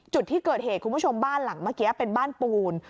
จุดที่เกิดเหตุคุณผู้ชมบ้านหลังเมื่อกี้เป็นบ้านปูน